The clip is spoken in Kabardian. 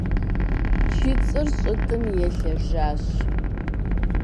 Чыцӏыр щӏытӏым елъэжащ.